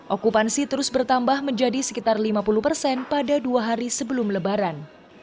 okupansi terus bertambah menjadi sekitar lima puluh persen pada dua hari sebelum lebaran